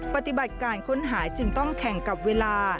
ปฏิบัติการค้นหาจึงต้องแข่งกับเวลา